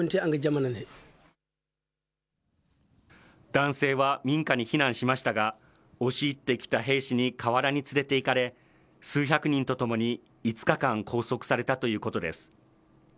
男性は民家に避難しましたが、押し入ってきた兵士に河原に連れていかれ、数百人とともに５日間拘束されたということです。